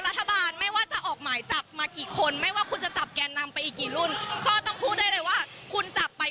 รัฐเรามีแต่ความโหดร้ายประเทือนแม้แต่เด็กยาวชนหรือว่าคนแก่